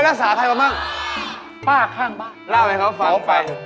เคยรักษาใครมาบ้างป้าข้างบ้านเล่าให้เค้าฟังไป